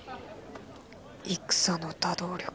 「戦の多動力」。